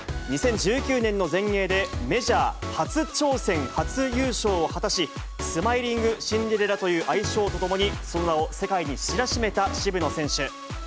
２０１９年の全英でメジャー初挑戦初優勝を果たし、スマイリング・シンデレラという愛称とともに、その名を世界に知らしめた渋野選手。